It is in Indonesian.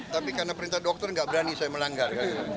tapi karena perintah dokter nggak berani saya melanggar